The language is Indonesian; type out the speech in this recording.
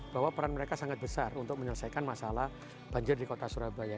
bahwa peran mereka sangat besar untuk menyelesaikan masalah banjir di kota surabaya